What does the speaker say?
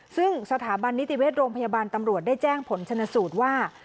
ซึ่งสถาบันนิติเวชโรงพยาบาลตำรวจได้แจ้งผลชนสูตรว่า